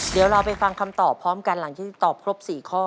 เดี๋ยวเราไปฟังคำตอบพร้อมกันหลังจากที่ตอบครบ๔ข้อ